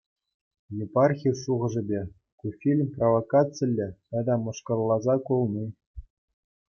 Епархи шухашӗпе, ку фильм провокациллӗ тата мӑшкӑлласа кулни.